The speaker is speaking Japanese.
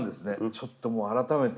ちょっともう改めて。